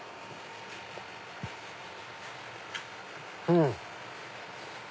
うん！